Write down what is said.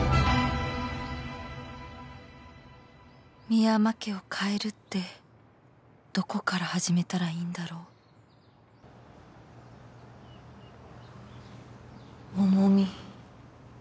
深山家を変えるってどこから始めたらいいんだろう重み。